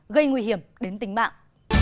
gây nguy hiểm đến tình mạng